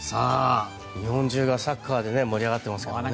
日本中がサッカーで盛り上がってますけどね。